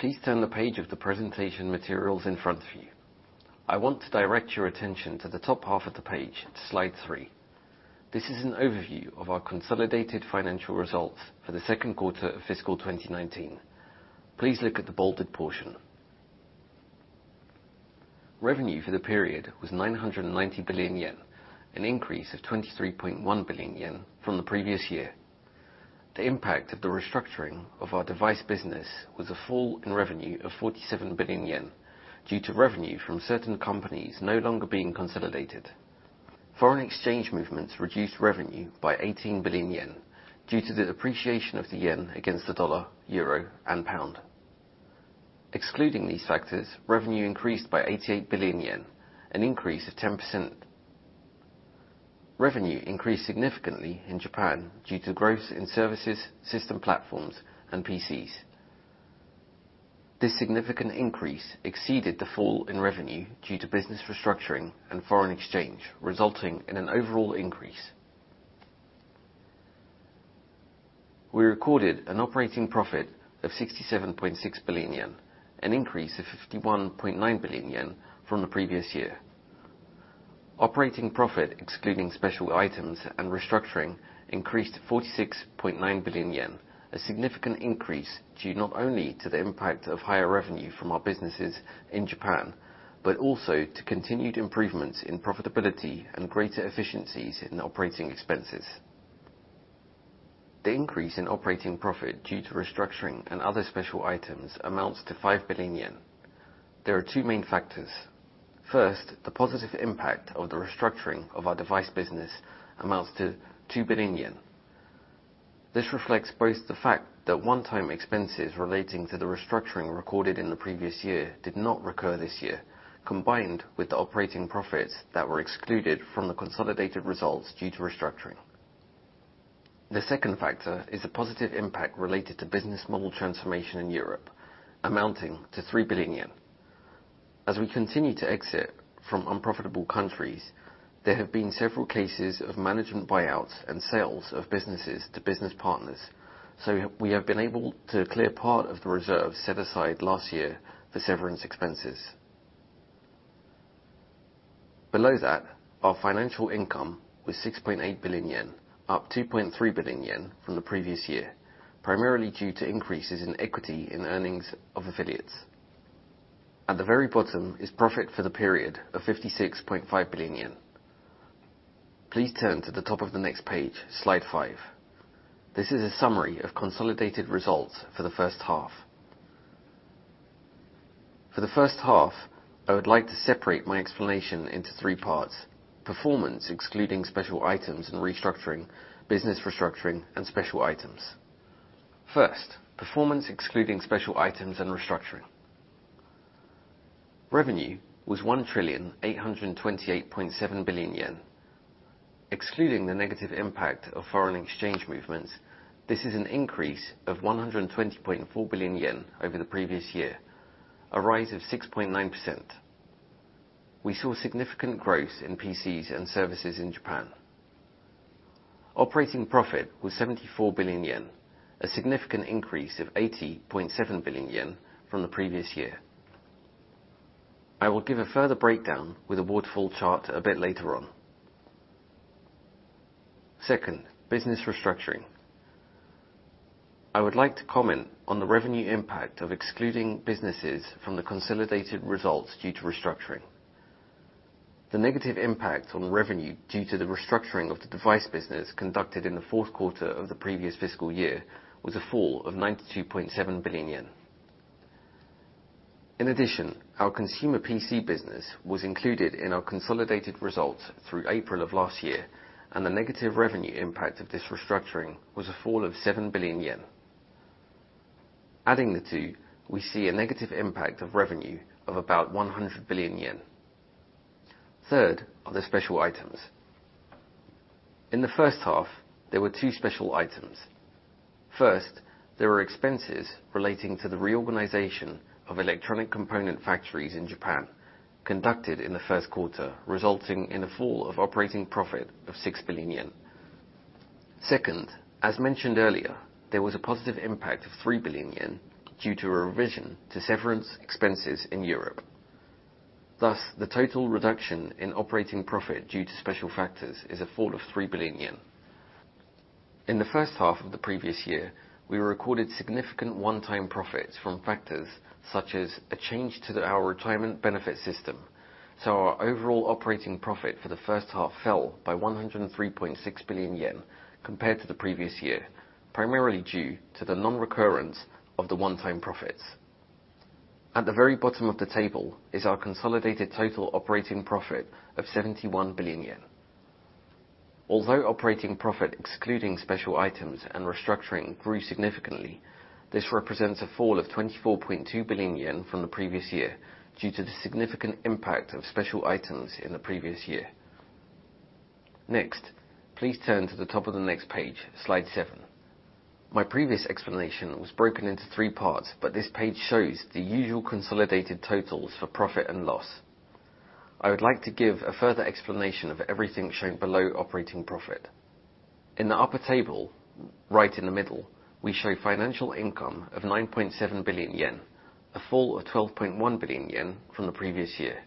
Please turn the page of the presentation materials in front of you. I want to direct your attention to the top half of the page, slide three. This is an overview of our consolidated financial results for the second quarter of fiscal 2019. Please look at the bolded portion. Revenue for the period was 990 billion yen, an increase of 23.1 billion yen from the previous year. The impact of the restructuring of our device business was a fall in revenue of 47 billion yen due to revenue from certain companies no longer being consolidated. Foreign exchange movements reduced revenue by 18 billion yen due to the depreciation of the yen against the USD, EUR, and GBP. Excluding these factors, revenue increased by 88 billion yen, an increase of 10%. Revenue increased significantly in Japan due to growth in services, System Platforms, and PCs. This significant increase exceeded the fall in revenue due to business restructuring and foreign exchange, resulting in an overall increase. We recorded an operating profit of 67.6 billion yen, an increase of 51.9 billion yen from the previous year. Operating profit, excluding special items and restructuring, increased to 46.9 billion yen, a significant increase due not only to the impact of higher revenue from our businesses in Japan, but also to continued improvements in profitability and greater efficiencies in operating expenses. The increase in operating profit due to restructuring and other special items amounts to 5 billion yen. There are two main factors. First, the positive impact of the restructuring of our device business amounts to 2 billion yen. This reflects both the fact that one-time expenses relating to the restructuring recorded in the previous year did not recur this year, combined with the operating profits that were excluded from the consolidated results due to restructuring. The second factor is the positive impact related to business model transformation in Europe amounting to 3 billion yen. We have been able to clear part of the reserve set aside last year for severance expenses. Below that, our financial income was 6.8 billion yen, up 2.3 billion yen from the previous year, primarily due to increases in equity in earnings of affiliates. At the very bottom is profit for the period of 56.5 billion yen. Please turn to the top of the next page, slide five. This is a summary of consolidated results for the first half. For the first half, I would like to separate my explanation into three parts: performance excluding special items and restructuring, business restructuring, and special items. First, performance excluding special items and restructuring. Revenue was 1,828.7 billion yen. Excluding the negative impact of foreign exchange movements, this is an increase of 120.4 billion yen over the previous year, a rise of 6.9%. We saw significant growth in PCs and services in Japan. Operating profit was 74 billion yen, a significant increase of 80.7 billion yen from the previous year. I will give a further breakdown with a waterfall chart a bit later on. Second, business restructuring. I would like to comment on the revenue impact of excluding businesses from the consolidated results due to restructuring. The negative impact on revenue due to the restructuring of the device business conducted in the fourth quarter of the previous fiscal year was a fall of 92.7 billion yen. In addition, our consumer PC business was included in our consolidated results through April of last year, the negative revenue impact of this restructuring was a fall of 7 billion yen. Adding the two, we see a negative impact of revenue of about 100 billion yen. Third are the special items. In the first half, there were two special items. First, there were expenses relating to the reorganization of electronic component factories in Japan conducted in the first quarter, resulting in a fall of operating profit of 6 billion yen. Second, as mentioned earlier, there was a positive impact of 3 billion yen due to a revision to severance expenses in Europe. Thus, the total reduction in operating profit due to special factors is a fall of 3 billion yen. In the first half of the previous year, we recorded significant one-time profits from factors such as a change to our retirement benefit system. Our overall operating profit for the first half fell by 103.6 billion yen compared to the previous year, primarily due to the non-recurrence of the one-time profits. At the very bottom of the table is our consolidated total operating profit of 71 billion yen. Although operating profit excluding special items and restructuring grew significantly, this represents a fall of 24.2 billion yen from the previous year due to the significant impact of special items in the previous year. Next, please turn to the top of the next page, slide seven. My previous explanation was broken into three parts, but this page shows the usual consolidated totals for profit and loss. I would like to give a further explanation of everything shown below operating profit. In the upper table, right in the middle, we show financial income of 9.7 billion yen, a fall of 12.1 billion yen from the previous year.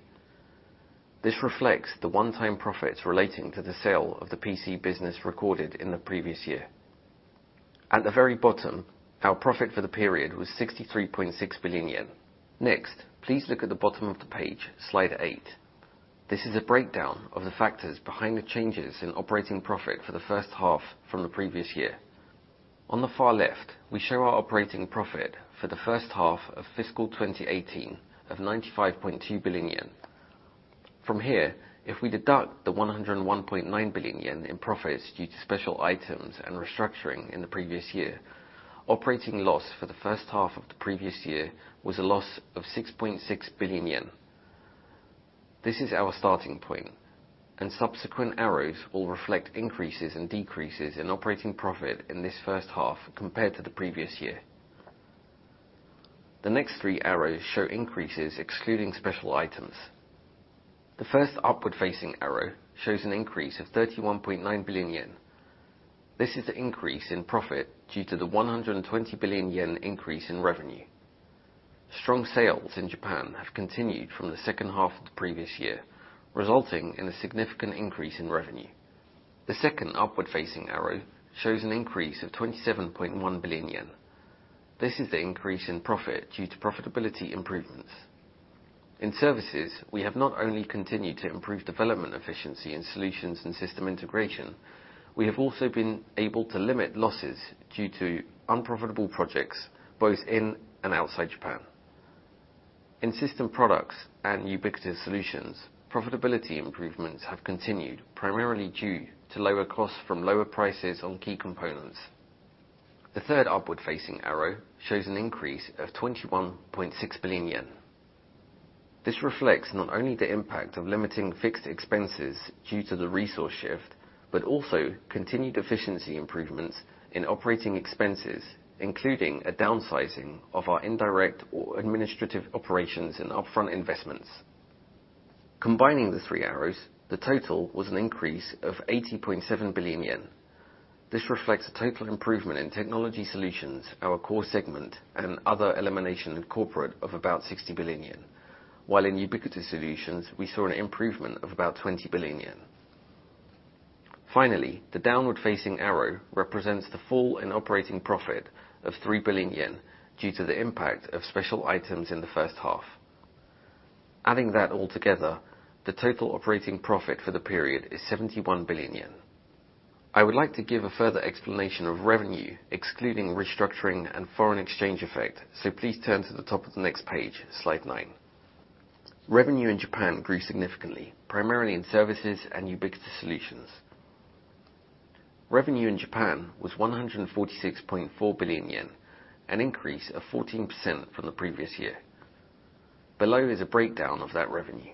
This reflects the one-time profits relating to the sale of the PC business recorded in the previous year. At the very bottom, our profit for the period was 63.6 billion yen. Next, please look at the bottom of the page, slide eight. This is a breakdown of the factors behind the changes in operating profit for the first half from the previous year. On the far left, we show our operating profit for the first half of fiscal 2018 of 95.2 billion yen. From here, if we deduct the 101.9 billion yen in profits due to special items and restructuring in the previous year, operating loss for the first half of the previous year was a loss of 6.6 billion yen. This is our starting point, subsequent arrows will reflect increases and decreases in operating profit in this first half compared to the previous year. The next three arrows show increases excluding special items. The first upward facing arrow shows an increase of 31.9 billion yen. This is the increase in profit due to the 120 billion yen increase in revenue. Strong sales in Japan have continued from the second half of the previous year, resulting in a significant increase in revenue. The second upward facing arrow shows an increase of 27.1 billion yen. This is the increase in profit due to profitability improvements. In services, we have not only continued to improve development efficiency in solutions and system integration, we have also been able to limit losses due to unprofitable projects, both in and outside Japan. In system products and Ubiquitous Solutions, profitability improvements have continued primarily due to lower costs from lower prices on key components. The third upward facing arrow shows an increase of 21.6 billion yen. This reflects not only the impact of limiting fixed expenses due to the resource shift, but also continued efficiency improvements in operating expenses, including a downsizing of our indirect or administrative operations and upfront investments. Combining the three arrows, the total was an increase of 80.7 billion yen. This reflects a total improvement in Technology Solutions, our core segment, and other elimination in corporate of about 60 billion yen. While in Ubiquitous Solutions, we saw an improvement of about 20 billion yen. Finally, the downward facing arrow represents the fall in operating profit of 3 billion yen, due to the impact of special items in the first half. Adding that all together, the total operating profit for the period is 71 billion yen. I would like to give a further explanation of revenue, excluding restructuring and foreign exchange effect, so please turn to the top of the next page, slide nine. Revenue in Japan grew significantly, primarily in services and Ubiquitous Solutions. Revenue in Japan was 146.4 billion yen, an increase of 14% from the previous year. Below is a breakdown of that revenue.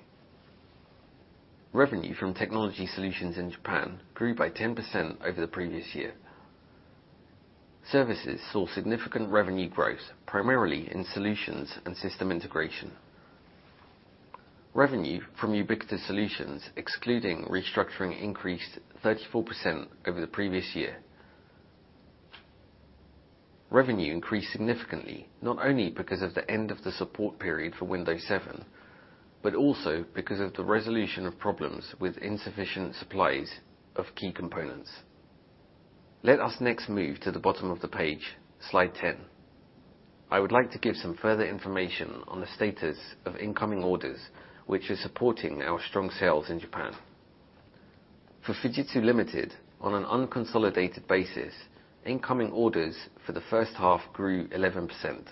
Revenue from Technology Solutions in Japan grew by 10% over the previous year. Services saw significant revenue growth, primarily in solutions and system integration. Revenue from Ubiquitous Solutions, excluding restructuring, increased 34% over the previous year. Revenue increased significantly, not only because of the end of the support period for Windows 7, but also because of the resolution of problems with insufficient supplies of key components. Let us next move to the bottom of the page, slide 10. I would like to give some further information on the status of incoming orders, which are supporting our strong sales in Japan. For Fujitsu Ltd., on an unconsolidated basis, incoming orders for the first half grew 11%.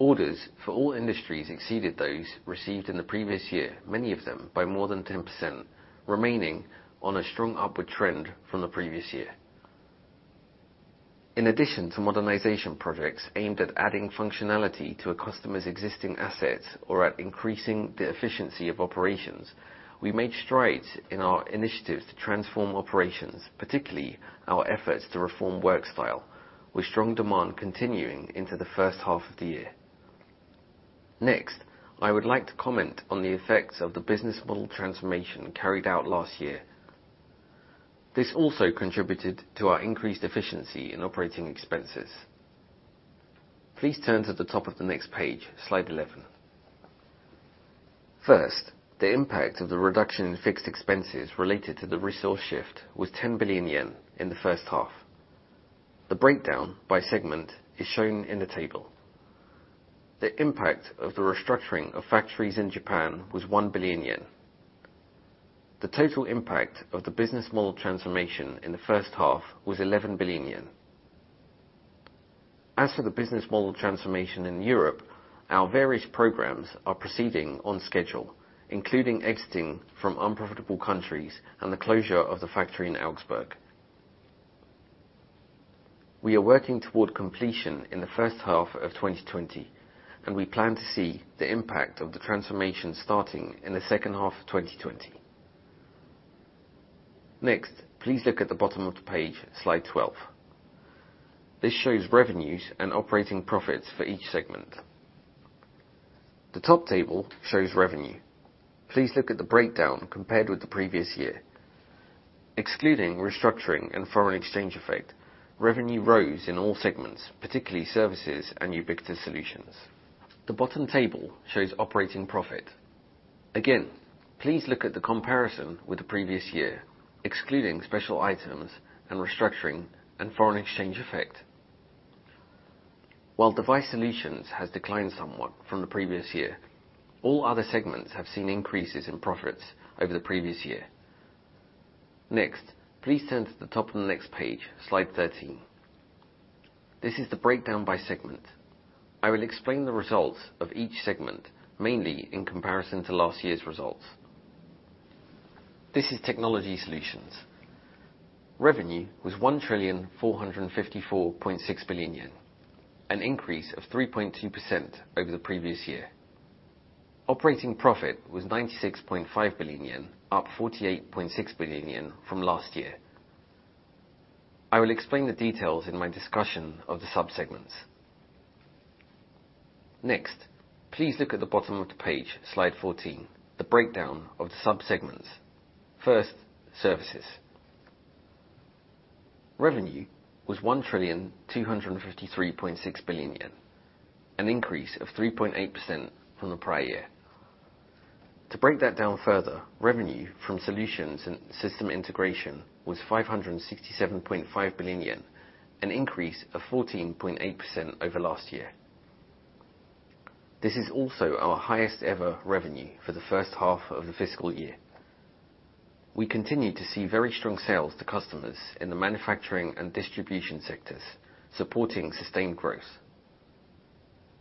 Orders for all industries exceeded those received in the previous year, many of them by more than 10%, remaining on a strong upward trend from the previous year. In addition to modernization projects aimed at adding functionality to a customer's existing assets or at increasing the efficiency of operations, we made strides in our initiatives to transform operations, particularly our efforts to reform work style, with strong demand continuing into the first half of the year. Next, I would like to comment on the effects of the business model transformation carried out last year. This also contributed to our increased efficiency in operating expenses. Please turn to the top of the next page, slide 11. First, the impact of the reduction in fixed expenses related to the resource shift was 10 billion yen in the first half. The breakdown by segment is shown in the table. The impact of the restructuring of factories in Japan was 1 billion yen. The total impact of the business model transformation in the first half was 11 billion yen. As for the business model transformation in Europe, our various programs are proceeding on schedule, including exiting from unprofitable countries and the closure of the factory in Augsburg. We are working toward completion in the first half of 2020, and we plan to see the impact of the transformation starting in the second half of 2020. Next, please look at the bottom of the page, slide 12. This shows revenues and operating profits for each segment. The top table shows revenue. Please look at the breakdown compared with the previous year. Excluding restructuring and foreign exchange effect, revenue rose in all segments, particularly Services and Ubiquitous Solutions. The bottom table shows operating profit. Again, please look at the comparison with the previous year, excluding special items and restructuring and foreign exchange effect. While Device Solutions has declined somewhat from the previous year, all other segments have seen increases in profits over the previous year. Next, please turn to the top of the next page, slide 13. This is the breakdown by segment. I will explain the results of each segment, mainly in comparison to last year's results. This is Technology Solutions. Revenue was 1,454.6 billion yen, an increase of 3.2% over the previous year. Operating profit was 96.5 billion yen, up 48.6 billion yen from last year. I will explain the details in my discussion of the sub-segments. Next, please look at the bottom of the page, slide 14, the breakdown of the sub-segments. First, Services. Revenue was 1,253.6 billion yen, an increase of 3.8% from the prior year. To break that down further, revenue from solutions and system integration was 567.5 billion yen, an increase of 14.8% over last year. This is also our highest-ever revenue for the first half of the fiscal year. We continued to see very strong sales to customers in the manufacturing and distribution sectors, supporting sustained growth.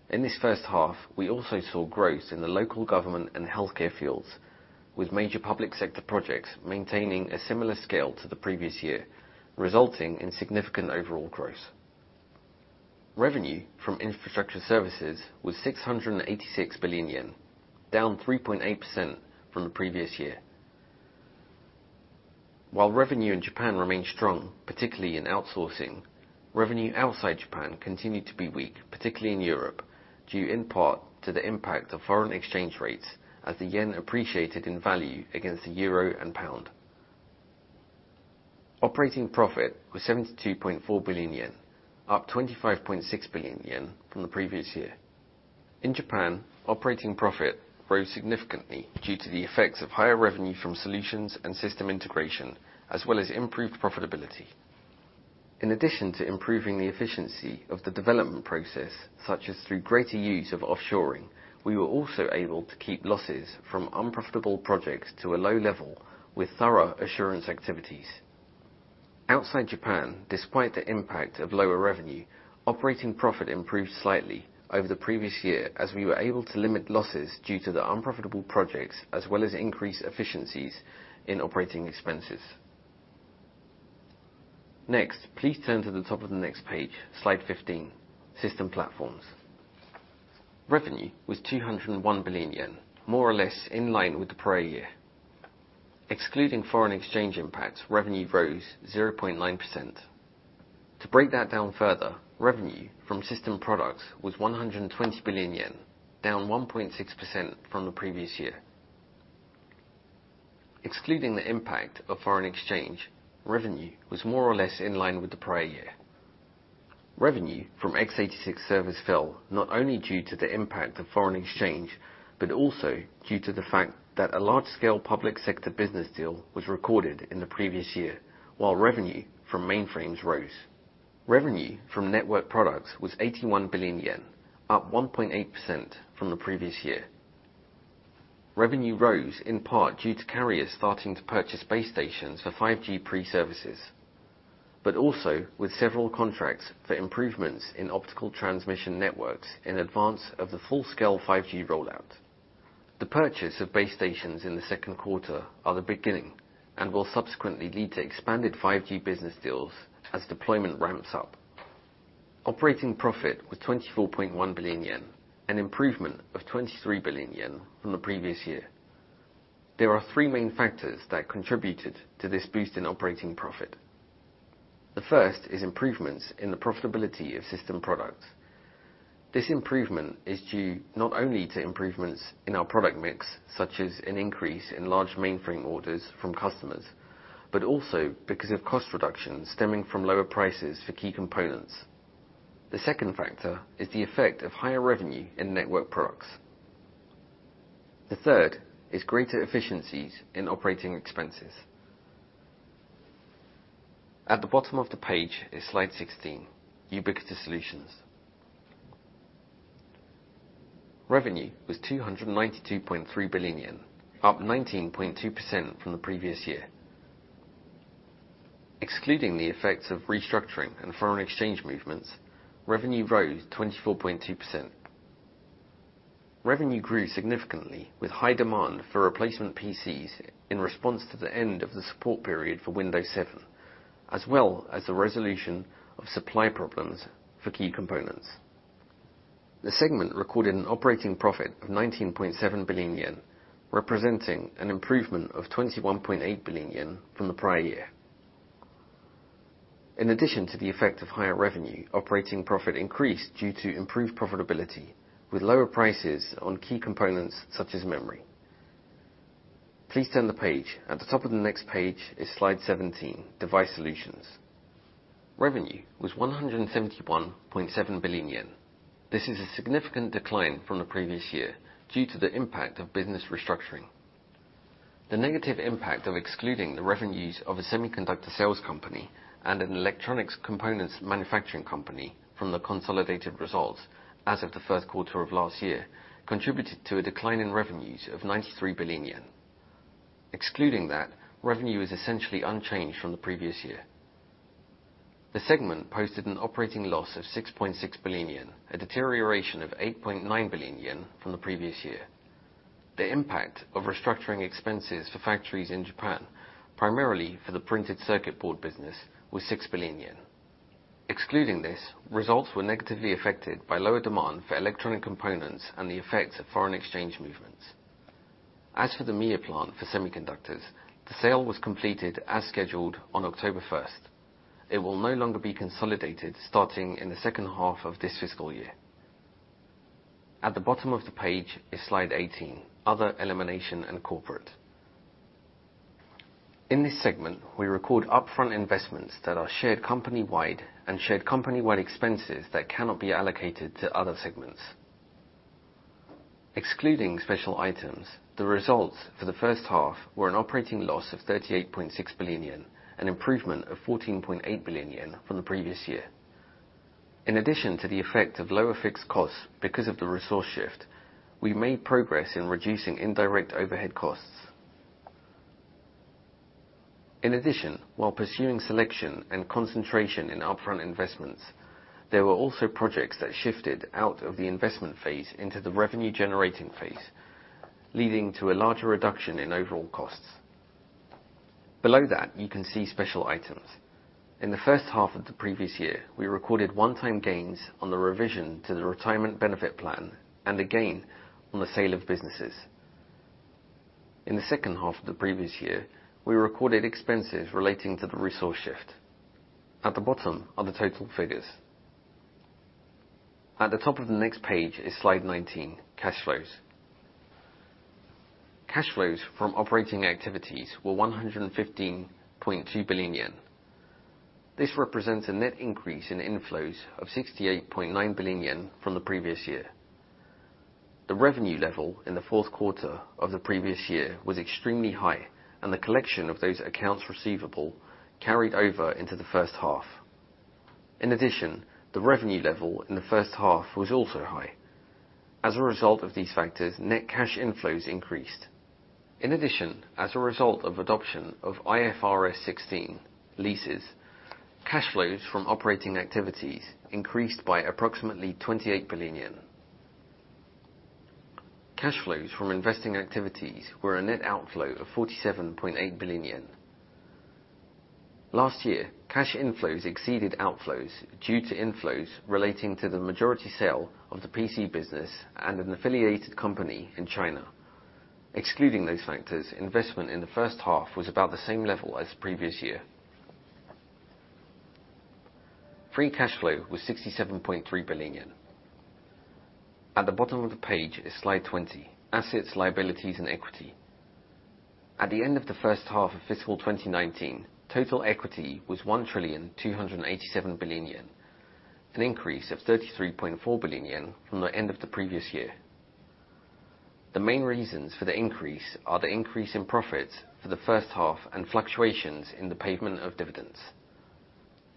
In this first half, we also saw growth in the local government and healthcare fields, with major public sector projects maintaining a similar scale to the previous year, resulting in significant overall growth. Revenue from infrastructure services was 686 billion yen, down 3.8% from the previous year. While revenue in Japan remained strong, particularly in outsourcing, revenue outside Japan continued to be weak, particularly in Europe, due in part to the impact of foreign exchange rates as the JPY appreciated in value against the EUR and GBP. Operating profit was 72.4 billion yen, up 25.6 billion yen from the previous year. In Japan, operating profit rose significantly due to the effects of higher revenue from solutions and system integration, as well as improved profitability. In addition to improving the efficiency of the development process, such as through greater use of offshoring, we were also able to keep losses from unprofitable projects to a low level with thorough assurance activities. Outside Japan, despite the impact of lower revenue, operating profit improved slightly over the previous year as we were able to limit losses due to the unprofitable projects, as well as increase efficiencies in operating expenses. Next, please turn to the top of the next page, slide 15, System Platforms. Revenue was 201 billion yen, more or less in line with the prior year. Excluding foreign exchange impacts, revenue rose 0.9%. To break that down further, revenue from system products was 120 billion yen, down 1.6% from the previous year. Excluding the impact of foreign exchange, revenue was more or less in line with the prior year. Revenue from x86 servers fell not only due to the impact of foreign exchange, but also due to the fact that a large-scale public sector business deal was recorded in the previous year, while revenue from mainframes rose. Revenue from network products was 81 billion yen, up 1.8% from the previous year. Revenue rose in part due to carriers starting to purchase base stations for 5G pre-services, but also with several contracts for improvements in optical transmission networks in advance of the full-scale 5G rollout. The purchase of base stations in the second quarter are the beginning and will subsequently lead to expanded 5G business deals as deployment ramps up. Operating profit was 24.1 billion yen, an improvement of 23 billion yen from the previous year. There are three main factors that contributed to this boost in operating profit. The first is improvements in the profitability of system products. This improvement is due not only to improvements in our product mix, such as an increase in large mainframe orders from customers, but also because of cost reductions stemming from lower prices for key components. The second factor is the effect of higher revenue in network products. The third is greater efficiencies in operating expenses. At the bottom of the page is Slide 16, Ubiquitous Solutions. Revenue was 292.3 billion yen, up 19.2% from the previous year. Excluding the effects of restructuring and foreign exchange movements, revenue rose 24.2%. Revenue grew significantly with high demand for replacement PCs in response to the end of the support period for Windows 7, as well as the resolution of supply problems for key components. The segment recorded an operating profit of 19.7 billion yen, representing an improvement of 21.8 billion yen from the prior year. In addition to the effect of higher revenue, operating profit increased due to improved profitability with lower prices on key components such as memory. Please turn the page. At the top of the next page is Slide 17, Device Solutions. Revenue was 171.7 billion yen. This is a significant decline from the previous year due to the impact of business restructuring. The negative impact of excluding the revenues of a semiconductor sales company and an electronics components manufacturing company from the consolidated results as of the first quarter of last year contributed to a decline in revenues of 93 billion yen. Excluding that, revenue is essentially unchanged from the previous year. The segment posted an operating loss of 6.6 billion yen, a deterioration of 8.9 billion yen from the previous year. The impact of restructuring expenses for factories in Japan, primarily for the printed circuit board business, was 6 billion yen. Excluding this, results were negatively affected by lower demand for electronic components and the effects of foreign exchange movements. As for the Mie plant for semiconductors, the sale was completed as scheduled on October 1st. It will no longer be consolidated starting in the second half of this fiscal year. At the bottom of the page is Slide 18: Other, Elimination, and Corporate. In this segment, we record upfront investments that are shared company-wide and shared company-wide expenses that cannot be allocated to other segments. Excluding special items, the results for the first half were an operating loss of 38.6 billion yen, an improvement of 14.8 billion yen from the previous year. In addition to the effect of lower fixed costs because of the resource shift, we made progress in reducing indirect overhead costs. In addition, while pursuing selection and concentration in upfront investments, there were also projects that shifted out of the investment phase into the revenue-generating phase, leading to a larger reduction in overall costs. Below that, you can see special items. In the first half of the previous year, we recorded one-time gains on the revision to the retirement benefit plan and a gain on the sale of businesses. In the second half of the previous year, we recorded expenses relating to the resource shift. At the bottom are the total figures. At the top of the next page is Slide 19: Cash Flows. Cash flows from operating activities were 115.2 billion yen. This represents a net increase in inflows of 68.9 billion yen from the previous year. The revenue level in the fourth quarter of the previous year was extremely high, and the collection of those accounts receivable carried over into the first half. In addition, the revenue level in the first half was also high. As a result of these factors, net cash inflows increased. In addition, as a result of adoption of IFRS 16 leases, cash flows from operating activities increased by approximately 28 billion yen. Cash flows from investing activities were a net outflow of 47.8 billion yen. Last year, cash inflows exceeded outflows due to inflows relating to the majority sale of the PC business and an affiliated company in China. Excluding those factors, investment in the first half was about the same level as the previous year. Free cash flow was 67.3 billion yen. At the bottom of the page is Slide 20: Assets, Liabilities, and Equity. At the end of the first half of fiscal 2019, total equity was 1,287 billion yen, an increase of 33.4 billion yen from the end of the previous year. The main reasons for the increase are the increase in profits for the first half and fluctuations in the payment of dividends.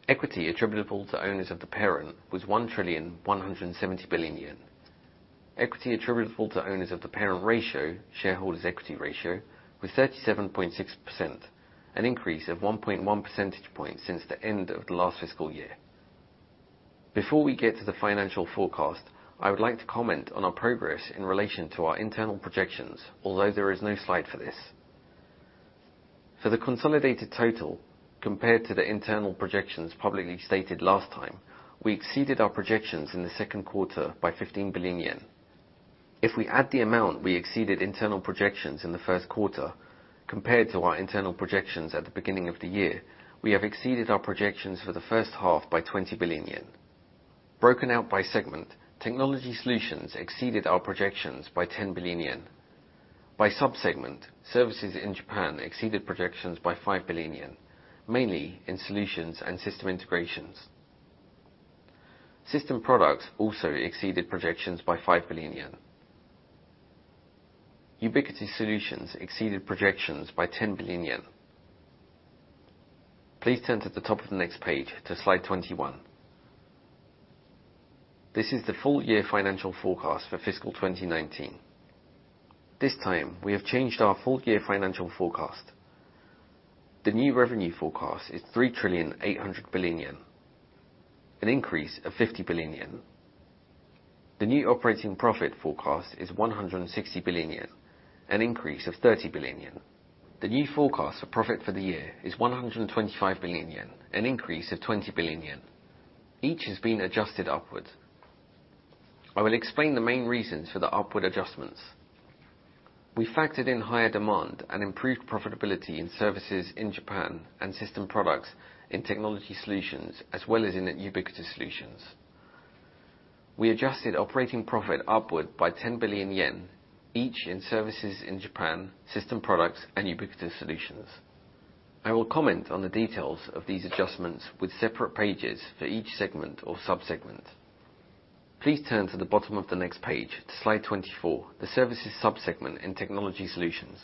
Equity attributable to owners of the parent was JPY 1,170 billion. Equity attributable to owners of the parent ratio, shareholders equity ratio was 37.6%, an increase of 1.1 percentage points since the end of the last fiscal year. Before we get to the financial forecast, I would like to comment on our progress in relation to our internal projections, although there is no slide for this. For the consolidated total, compared to the internal projections publicly stated last time, we exceeded our projections in the second quarter by 15 billion yen. If we add the amount we exceeded internal projections in the first quarter compared to our internal projections at the beginning of the year, we have exceeded our projections for the first half by 20 billion yen. Broken out by segment, Technology Solutions exceeded our projections by 10 billion yen. By sub-segment, Services in Japan exceeded projections by 5 billion yen, mainly in solutions and system integrations. system products also exceeded projections by 5 billion yen. Ubiquitous Solutions exceeded projections by 10 billion yen. Please turn to the top of the next page to Slide 21. This is the full-year financial forecast for fiscal 2019. This time, we have changed our full-year financial forecast. The new revenue forecast is 3,800 billion yen, an increase of 50 billion yen. The new operating profit forecast is 160 billion yen, an increase of 30 billion yen. The new forecast for profit for the year is 125 billion yen, an increase of 20 billion yen. Each has been adjusted upward. I will explain the main reasons for the upward adjustments. We factored in higher demand and improved profitability in services in Japan and system products in Technology Solutions, as well as in the Ubiquitous Solutions. We adjusted operating profit upward by 10 billion yen, each in services in Japan, system products, and Ubiquitous Solutions. I will comment on the details of these adjustments with separate pages for each segment or sub-segment. Please turn to the bottom of the next page, to slide 24, the services sub-segment in Technology Solutions.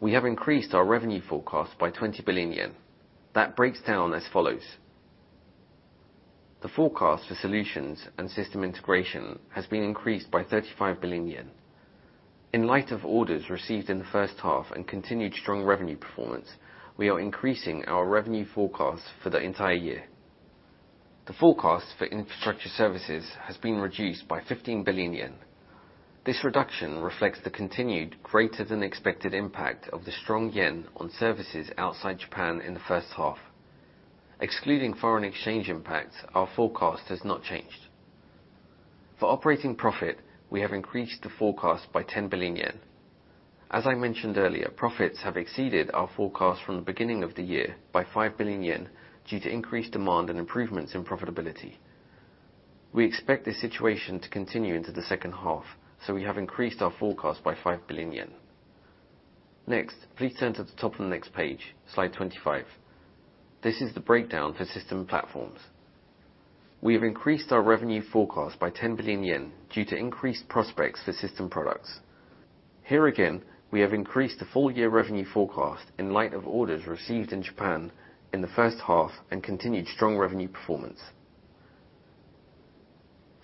We have increased our revenue forecast by 20 billion yen. That breaks down as follows. The forecast for solutions and system integration has been increased by 35 billion yen. In light of orders received in the first half and continued strong revenue performance, we are increasing our revenue forecast for the entire year. The forecast for infrastructure services has been reduced by 15 billion yen. This reduction reflects the continued greater-than-expected impact of the strong yen on services outside Japan in the first half. Excluding foreign exchange impacts, our forecast has not changed. For operating profit, we have increased the forecast by 10 billion yen. As I mentioned earlier, profits have exceeded our forecast from the beginning of the year by 5 billion yen due to increased demand and improvements in profitability. We expect this situation to continue into the second half, so we have increased our forecast by 5 billion yen. Next, please turn to the top of the next page, slide 25. This is the breakdown for System Platforms. We have increased our revenue forecast by 10 billion yen due to increased prospects for system products. Here again, we have increased the full-year revenue forecast in light of orders received in Japan in the first half and continued strong revenue performance.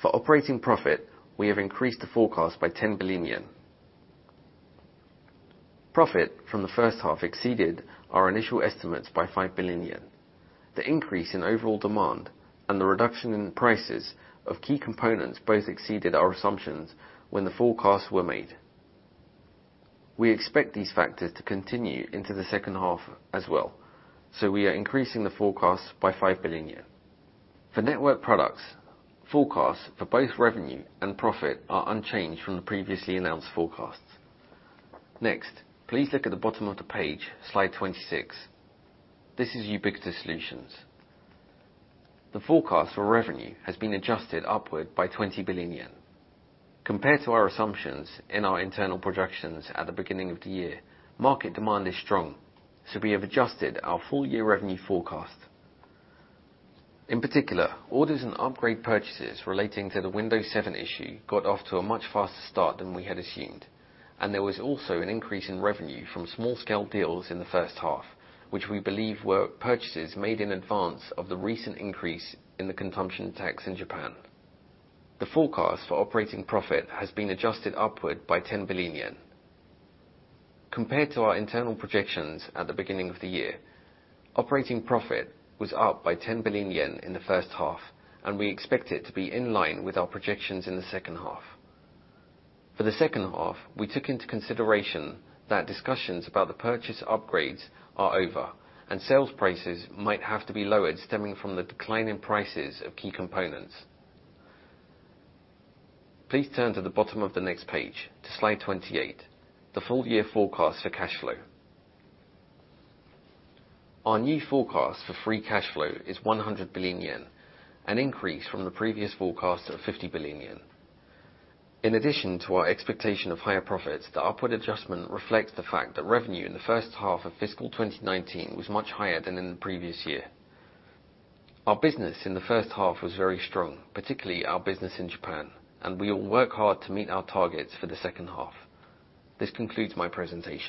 For operating profit, we have increased the forecast by 10 billion yen. Profit from the first half exceeded our initial estimates by 5 billion yen. The increase in overall demand and the reduction in prices of key components both exceeded our assumptions when the forecasts were made. We expect these factors to continue into the second half as well, so we are increasing the forecasts by 5 billion yen. For network products, forecasts for both revenue and profit are unchanged from the previously announced forecasts. Next, please look at the bottom of the page, slide 26. This is Ubiquitous Solutions. The forecast for revenue has been adjusted upward by 20 billion yen. Compared to our assumptions in our internal projections at the beginning of the year, market demand is strong, so we have adjusted our full-year revenue forecast. In particular, orders and upgrade purchases relating to the Windows 7 issue got off to a much faster start than we had assumed, and there was also an increase in revenue from small-scale deals in the first half, which we believe were purchases made in advance of the recent increase in the consumption tax in Japan. The forecast for operating profit has been adjusted upward by 10 billion yen. Compared to our internal projections at the beginning of the year, operating profit was up by 10 billion yen in the first half, and we expect it to be in line with our projections in the second half. For the second half, we took into consideration that discussions about the purchase upgrades are over, and sales prices might have to be lowered stemming from the decline in prices of key components. Please turn to the bottom of the next page, to slide 28, the full-year forecast for cash flow. Our new forecast for free cash flow is 100 billion yen, an increase from the previous forecast of 50 billion yen. In addition to our expectation of higher profits, the upward adjustment reflects the fact that revenue in the first half of fiscal 2019 was much higher than in the previous year. Our business in the first half was very strong, particularly our business in Japan, and we will work hard to meet our targets for the second half. This concludes my presentation.